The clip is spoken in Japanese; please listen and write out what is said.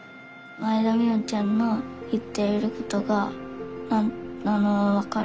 前田海音ちゃんの言っていることがわかる。